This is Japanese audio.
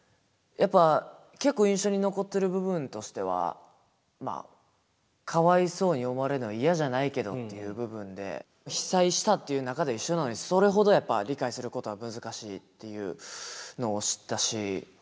やっぱ結構印象に残ってる部分としてはまあ「かわいそうに思われるのが嫌じゃないけど」っていう部分で被災したっていう中では一緒なのにそれほどやっぱ理解することは難しいっていうのを知ったし。